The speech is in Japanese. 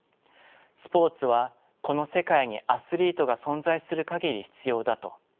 「スポーツはこの世界にアスリートが存在する限り必要だ」と。